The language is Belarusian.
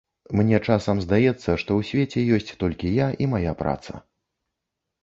Мне часам здаецца, што ў свеце ёсць толькі я і мая праца.